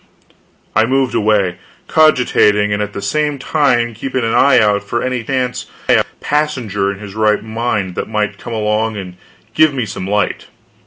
I moved away, cogitating, and at the same time keeping an eye out for any chance passenger in his right mind that might come along and give me some light.